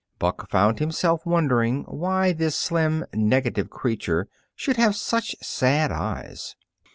Buck found himself wondering why this slim, negative creature should have such sad eyes.